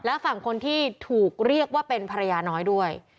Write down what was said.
และฝั่งคนที่ถูกเรียกว่าเป็นภรรยาน้อยด้วย